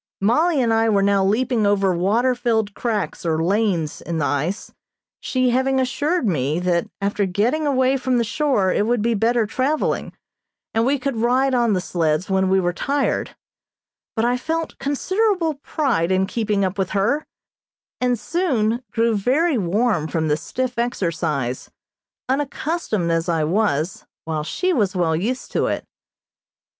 Mollie and I were now leaping over water filled cracks or lanes in the ice, she having assured me that after getting away from the shore it would be better traveling, and we could ride on the sleds when we were tired, but I felt considerable pride in keeping up with her, and soon grew very warm from the stiff exercise, unaccustomed as I was, while she was well used to it.